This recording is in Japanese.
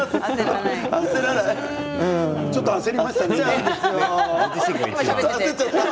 今ちょっと焦りましたね。